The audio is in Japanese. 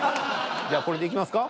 じゃこれでいきますか？